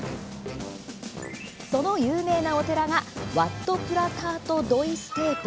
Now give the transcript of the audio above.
その有名なお寺がワット・プラタート・ドイ・ステープ。